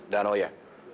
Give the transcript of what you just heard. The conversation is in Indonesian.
dan oh ya